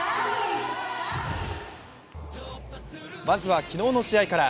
まずは昨日の試合から。